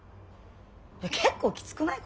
結構きつくない？